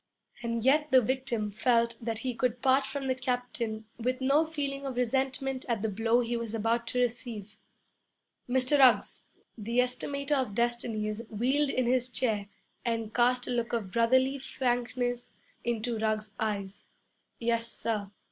And yet the victim felt that he could part from the captain with no feeling of resentment at the blow he was about to receive. 'Mr. Ruggs!' The Estimator of Destinies wheeled in his chair and cast a look of brotherly frankness into Ruggs's eyes. 'Yes, sir.'